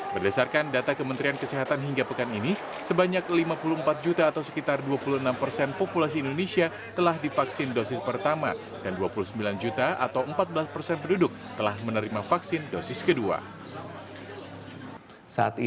berdasarkan data kementerian kesehatan hingga pekan ini sebanyak lima puluh empat juta atau sekitar dua puluh enam persen populasi indonesia telah divaksin dosis pertama dan dua puluh sembilan juta atau empat belas persen penduduk telah menerima vaksin dosis kedua